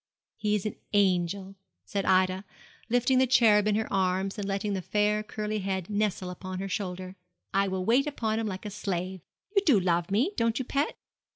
'He is an angel,' said Ida, lifting the cherub in her arms, and letting the fair, curly head nestle upon her shoulder. 'I will wait upon him like a slave. You do love me, don't you, pet?'